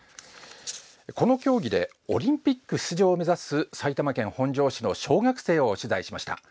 この競技でオリンピック出場を目指す埼玉県本庄市の小学生を取材しました。